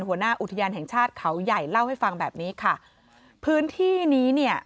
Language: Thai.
หัวหน้าอุทยานแห่งชาติเขาใหญ่เล่าให้ฟังแบบนี้ค่ะพื้นที่นี้เนี่ย